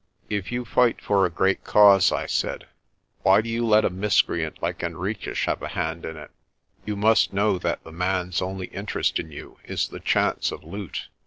"If you fight for a great cause," I said, "why do you let a miscreant like Henriques have a hand in it? You must know that the man's only interest in you is the chance of loot.